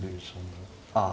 ああ